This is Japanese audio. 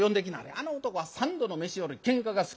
あの男は三度の飯より喧嘩が好きや。